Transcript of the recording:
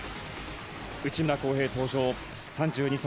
内村航平登場、３２歳。